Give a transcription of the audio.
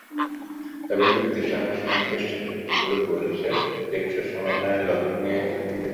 তবে চুক্তির সঙ্গে সংশ্লিষ্ট সূত্রগুলো বলছে, টেকসই সমাধানের লক্ষ্য নিয়েই চুক্তিটি হয়েছে।